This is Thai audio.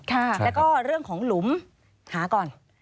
แล้วก็เรื่องของหลุมหาก่อน